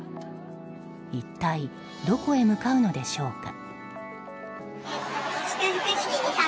一体どこへ向かうのでしょうか。